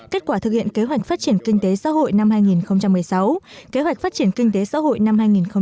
kết quả thực hiện kế hoạch phát triển kinh tế xã hội năm hai nghìn một mươi sáu kế hoạch phát triển kinh tế xã hội năm hai nghìn hai mươi